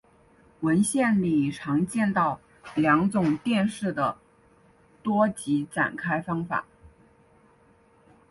文献里常见到两种电势的多极展开方法。